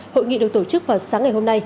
hội nghị được tổ chức vào sáng ngày hôm nay